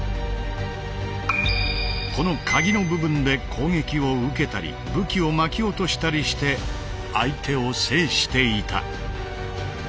この鉤の部分で攻撃を受けたり武器を巻き落としたりして相手を制していた。